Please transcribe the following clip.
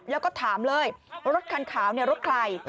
แล้วก็ถามเลยรถคันขาวเนี่ยรถใคร